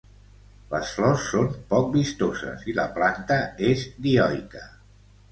Les flors són poc vistoses i la planta és dioica.